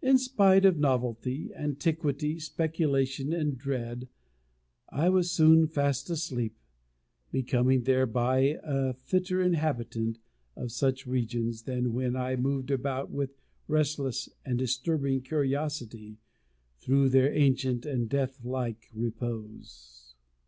In spite of novelty, antiquity, speculation, and dread, I was soon fast asleep; becoming thereby a fitter inhabitant of such regions, than when I moved about with restless and disturbing curiosity, through their ancient and death like repose.